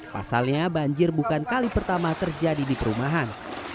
pasalnya banjir bukan kali pertama terjadi di perumahan